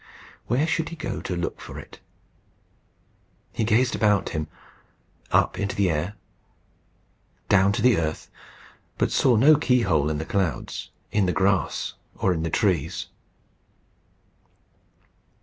Where should he go to look for it? He gazed about him, up into the air, down to the earth, but saw no keyhole in the clouds, in the grass, or in the trees.